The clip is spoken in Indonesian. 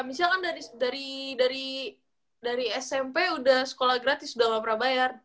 misalkan dari smp udah sekolah gratis udah gak pernah bayar